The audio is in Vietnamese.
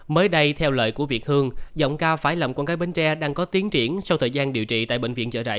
mới đây theo lợi của việt hương giọng ca phải làm con cái bến tre đang có tiến triển sau thời gian điều trị tại bệnh viện chợ rẫy